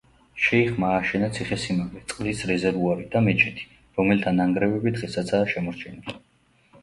შეიხმა ააშენა ციხესიმაგრე, წყლის რეზერვუარი და მეჩეთი, რომელთა ნანგრევები დღესაცაა შემორჩენილი.